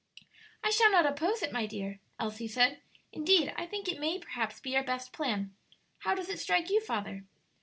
"I shall not oppose it, my dear," Elsie said; "indeed, I think it may perhaps be our best plan. How does it strike you, father?"